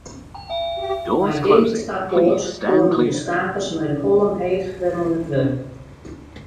Mei dit akkoart koenen de stakers mei de holle omheech wer oan it wurk.